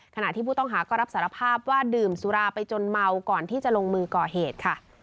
ขณะที่ผู้ต้องหาก็รับสารภาพว่าดื่มสุราไปจนเมาก่อนที่จะลงมือก่อเหตุค่ะ